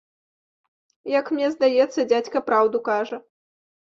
Як мне здаецца, дзядзька праўду кажа.